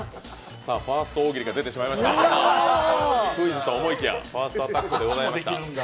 ファースト大喜利が出てしまいましたクイズと思いきやファーストアタックでした。